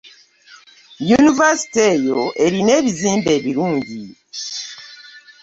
Yunivasite eyo erina ebizimbe ebirungi.